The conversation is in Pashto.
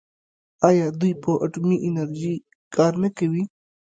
آیا دوی په اټومي انرژۍ کار نه کوي؟